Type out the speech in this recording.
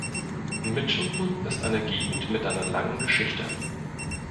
Mitchelton ist eine Gegend mit einer langen Geschichte.